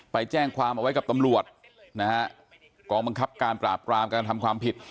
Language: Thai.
ไปแจ้งความเอาไว้กับตำรวจนะฮะกองบังคับการปราบกรามการทำความผิด